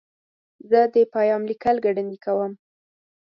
زه د پیام لیکل ګړندي کوم.